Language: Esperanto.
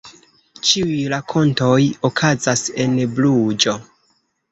Ĉiuj rakontoj okazas en Bruĝo.